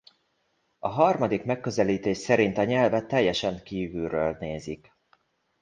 A harmadik megközelítés szerint a nyelvet teljesen kívülről nézik.